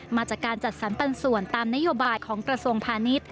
มาจากการจัดสรรปันส่วนตามนโยบายของกระทรวงพาณิชย์